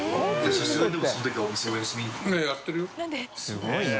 すごいな。